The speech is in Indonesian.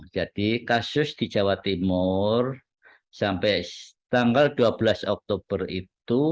jadi kasus di jawa timur sampai tanggal dua belas oktober itu